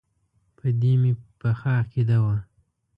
په دې مې پخه عقیده وه.